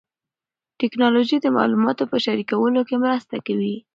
ټیکنالوژي د معلوماتو په شریکولو کې مرسته کوي.